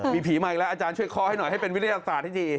มีผีมาอีกแล้วอาจารย์ช่วยเคาะให้หน่อยให้เป็นวิทยาศาสตร์ให้ดี